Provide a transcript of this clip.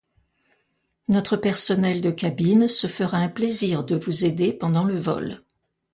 Notre personnel de cabine se fera un plaisir de vous aider pendant le vol.